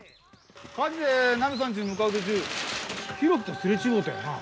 火事でナミさんちに向かう途中浩喜とすれ違うたよな？